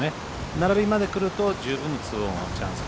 並びまで来ると十分に２オン、ワンチャンス。